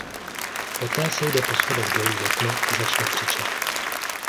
Poté sejde po schodech dolů do tmy a začne křičet.